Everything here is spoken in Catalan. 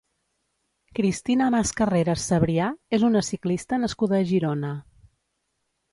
Cristina Mascarreras Sabrià és una ciclista nascuda a Girona.